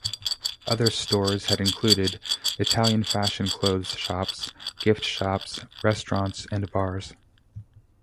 Other stores had included: Italian fashion clothes shops, gift shops, restaurants and bars.